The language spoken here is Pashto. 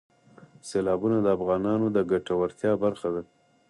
سیلابونه د افغانانو د ګټورتیا برخه ده.